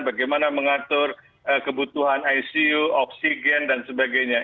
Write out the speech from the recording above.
bagaimana mengatur kebutuhan icu oksigen dan sebagainya